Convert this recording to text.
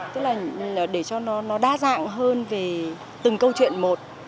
tức là để cho nó đa dạng hơn về từng câu chuyện một